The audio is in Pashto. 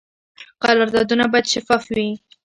قراردادونه باید شفاف وي